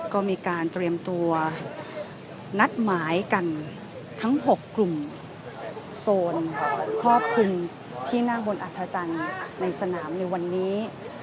ก็มีการเตรียมตัวนัดหมายกันทั้ง๖กลุ่มโซนครอบคลุมที่นั่งบนอัธจันทร์ในสนามในวันนี้